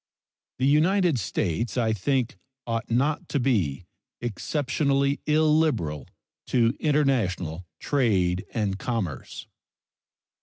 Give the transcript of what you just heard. The United States, I think, ought not to be exceptionally illiberal to international trade and commerce.